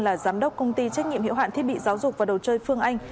là giám đốc công ty trách nhiệm hiệu hạn thiết bị giáo dục và đồ chơi phương anh